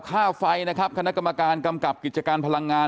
ข้าวไฟขณกรมกรู่กิจการพลังงาน